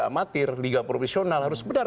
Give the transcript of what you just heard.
amatir liga profesional harus benar